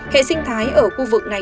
hệ sinh thái ở khu vực này